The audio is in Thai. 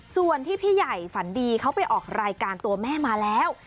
ส่วนที่พี่ใหญ่ฝันดีเขาไปออกรายการตัวแม่มาแล้ว